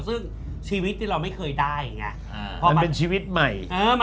ซึ่งชีวิตที่เราไม่เคยได้ไงพอมันเป็นชีวิตใหม่